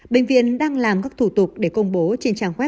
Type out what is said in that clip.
bệnh viện đang làm các thủ tục để công bố trên trang web